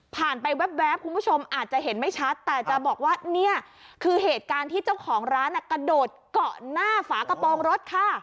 ไปแว๊บคุณผู้ชมอาจจะเห็นไม่ชัดแต่จะบอกว่าเนี่ยคือเหตุการณ์ที่เจ้าของร้านกระโดดเกาะหน้าฝากระโปรงรถค่ะ